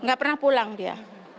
enggak pernah pulang dia